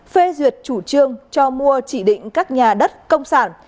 phê duyệt chủ trương cho mua chỉ định các nhà đất công sản